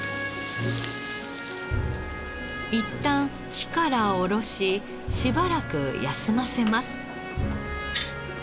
いったん火からおろししばらく休ませます。